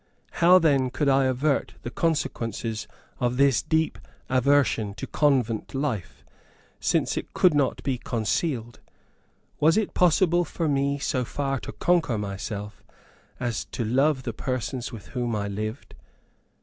How then could I avert the consequences of this deep aversion to convent life, since it could not be concealed? Was it possible for me so far to conquer myself, as to love the persons with whom I lived?